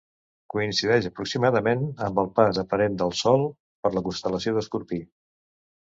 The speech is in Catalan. Coincideix aproximadament amb el pas aparent del Sol per la constel·lació d'Escorpí.